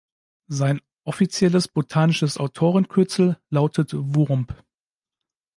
Sein offizielles botanisches Autorenkürzel lautet „Wurmb“.